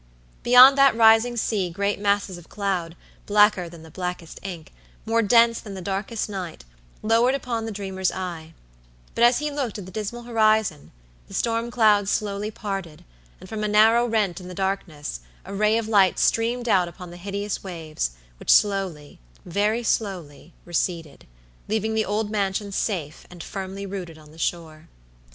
Beyond that rising sea great masses of cloud, blacker than the blackest ink, more dense than the darkest night, lowered upon the dreamer's eye; but as he looked at the dismal horizon the storm clouds slowly parted, and from a narrow rent in the darkness a ray of light streamed out upon the hideous waves, which slowly, very slowly, receded, leaving the old mansion safe and firmly rooted on the shore.